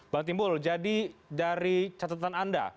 bang timbul jadi dari catatan anda